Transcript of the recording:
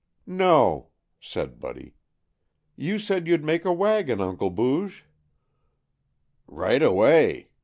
"No," said Buddy. "You said you'd make a wagon, Uncle Booge." "Right away!"